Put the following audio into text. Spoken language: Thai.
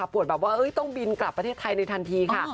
แบบว่าต้องบินกลับประเทศไทยในทันทีค่ะ